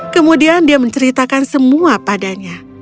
kemudian dia menceritakan semua padanya